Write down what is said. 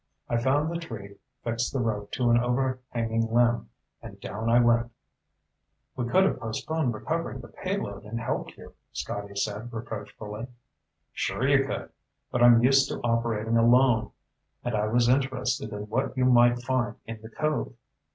I found the tree, fixed the rope to an overhanging limb, and down I went." "We could have postponed recovering the payload and helped you," Scotty said reproachfully. "Sure you could. But I'm used to operating alone, and I was interested in what you might find in the cove.